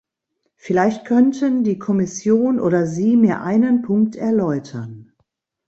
Vielleicht könnten die Kommission oder Sie mir einen Punkt erläutern.